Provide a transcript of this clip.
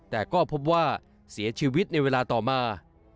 แต่ก็พบว่าเสียชีวิตในเวลาต่อมา